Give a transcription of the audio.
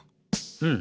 うん。